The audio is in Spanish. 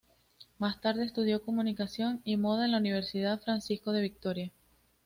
Más tarde estudió comunicación y moda en la Universidad Francisco de Vitoria.